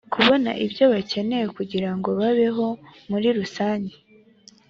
kubona ibyo bakeneye kugira ngo babeho muri rusanjye